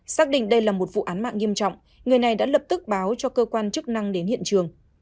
xác định đây là một vụ án mạng nghiêm trọng người này đã lập tức báo cho cơ quan chức năng đến hiện trường